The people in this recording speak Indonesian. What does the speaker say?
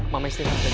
mama istri harus jalan